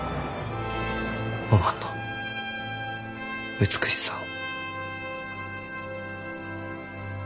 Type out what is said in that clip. おまんの美しさを。